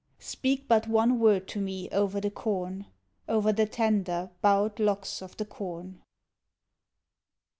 Speak but one word to me over the corn, Over the tender, bow'd locks of the corn.